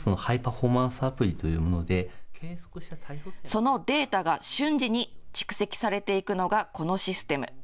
そのデータが瞬時に蓄積されていくのがこのシステム。